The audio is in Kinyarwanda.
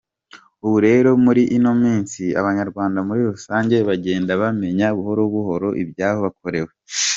Ubu rero muri ino minsi abanyarwanda muri rusange bagenda bamenya buhoro buhoro ibyabakorewe.